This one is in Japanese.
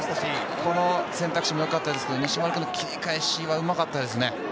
この選択肢もよかったですし、西丸君の切り返し、よかったですね。